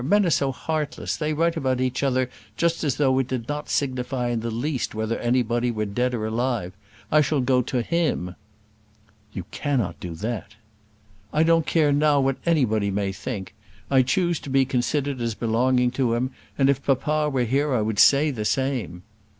Men are so heartless. They write about each other just as though it did not signify in the least whether anybody were dead or alive. I shall go to him." "You cannot do that." "I don't care now what anybody may think. I choose to be considered as belonging to him, and if papa were here I would say the same."